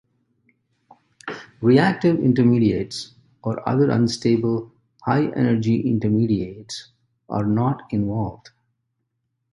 Reactive intermediates or other unstable high energy intermediates are not involved.